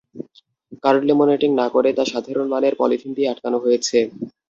Card laminating না করে তা সাধারণ মানের পলিথিন দিয়ে আটকানো হয়েছে।